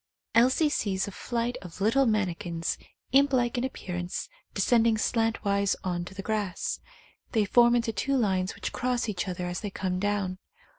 Elsie sees a flight of little manni kins, imp like in appearance, descending slantwise on to the grass. They form into two lines which cross each other as they come down.